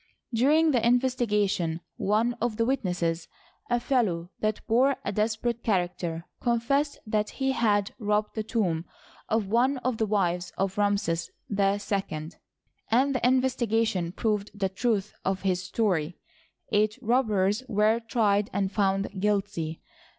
During the investigation one of the witnesses, a fellow that bore a desperate character, confessed that he had robbed the tomb of one of the wives of Ramses II, and the investigation proved the truth of his story. Eight robbers were trieci and found guilty.